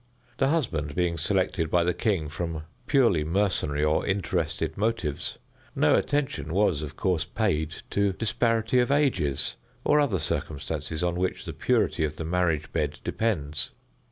The husband being selected by the king from purely mercenary or interested motives, no attention was, of course, paid to disparity of ages, or other circumstances on which the purity of the marriage bed depends.